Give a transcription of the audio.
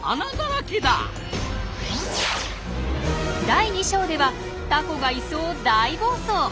第２章ではタコが磯を大暴走。